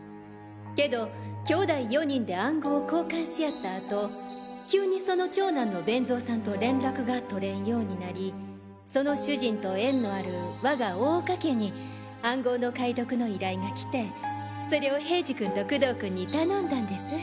けど兄弟４人で暗号を交換し合った後急にその長男の勉造さんと連絡が取れんようになりその主人と縁のある我が大岡家に暗号の解読の依頼が来てそれを平次君と工藤君に頼んだんです。